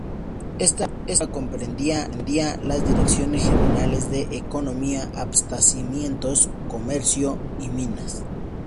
Esta última comprendía las direcciones generales de Economía, Abastecimientos, Comercio y Minas.